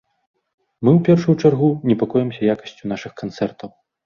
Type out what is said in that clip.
Мы, ў першую чаргу, непакоімся якасцю нашых канцэртаў.